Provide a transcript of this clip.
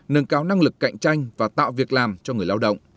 nâng cao năng lực cạnh tranh và tạo việc làm cho người lao động